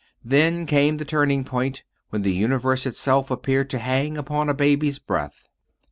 Then came the turning point when the universe itself appeared to hang upon a baby's breath.